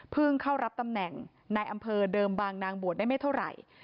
เข้ารับตำแหน่งในอำเภอเดิมบางนางบวชได้ไม่เท่าไหร่